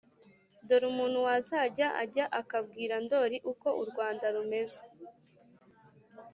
dore umuntu wazajya ajya akabwira ndoli uko u rwanda rumeze